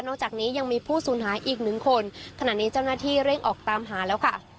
จากนี้ยังมีผู้สูญหายอีกหนึ่งคนขณะนี้เจ้าหน้าที่เร่งออกตามหาแล้วค่ะ